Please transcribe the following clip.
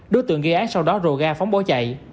đối tượng ghi án sau đó rồ ra phóng bỏ chạy